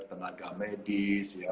tenaga medis ya